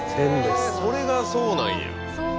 それがそうなんや。